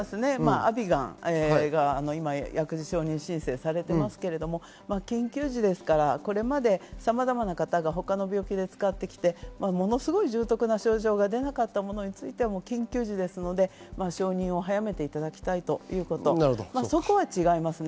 アビガンが今、薬事承認申請されていますけど、緊急時ですから、これまでさまざまな方が他の病気で使ってきて、ものすごい重症化の症状が出なかったものについては緊急時ですので、承認を早めていただきたいということ、そこは違いますね。